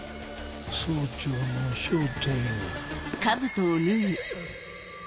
総長の正体が。